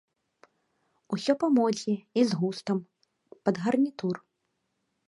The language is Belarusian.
Усё па модзе і з густам, пад гарнітур.